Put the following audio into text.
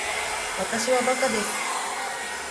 わたしはバカです